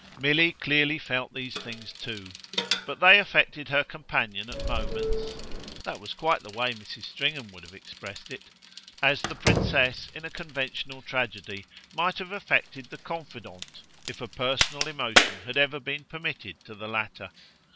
Milly clearly felt these things too, but they affected her companion at moments that was quite the way Mrs. Stringham would have expressed it as the princess in a conventional tragedy might have affected the confidant if a personal emotion had ever been permitted to the latter.